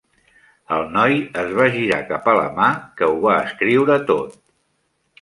El noi es va girar cap a la mà que ho va escriure tot.